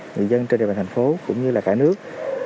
người dân trên địa bàn thành phố cũng như là cả nước